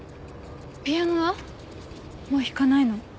ピアノはもう弾かないの？